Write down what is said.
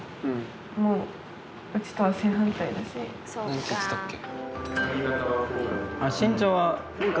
何て言ってたっけ。